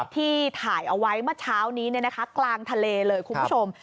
ที่ถ่ายเอาไว้เมื่อเช้านี้กลางทะเลเลยคุณผู้ชม